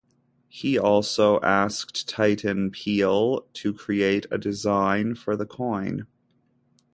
He also asked Titian Peale to create a design for the coin.